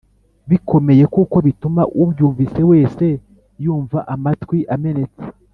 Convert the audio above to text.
bikomeye kuko bituma ubyumvise wese yumva amatwi amenetse